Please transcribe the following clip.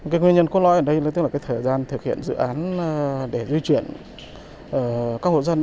cái nguyên nhân cốt lõi ở đây tức là cái thời gian thực hiện dự án để di chuyển các hộ dân